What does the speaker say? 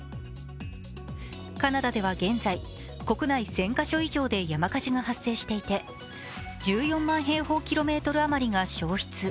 カナダでは現在、国内１０００か所以上で山火事が発生していて１４万平方キロメートル以上が焼失。